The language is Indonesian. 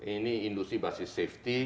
ini industri basis safety